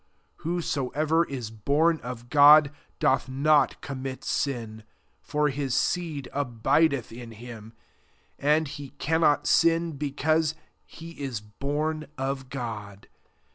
9 Whosoever is bom of God, doth not commit sin; for his seed abideth in him: and he cannot sin, because he is bon of God.